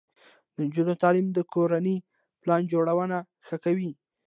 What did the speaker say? د نجونو تعلیم د کورنۍ پلان جوړونه ښه کوي.